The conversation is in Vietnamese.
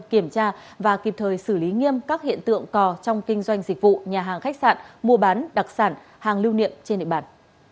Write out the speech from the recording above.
kiểm tra và kịp thời xử lý nghiêm các hiện tượng cò trong kinh doanh dịch vụ nhà hàng khách sạn mua bán đặc sản hàng lưu niệm trên địa bàn